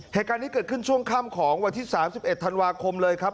เหตุการณ์นี้เกิดขึ้นช่วงค่ำของวันที่๓๑ธันวาคมเลยครับ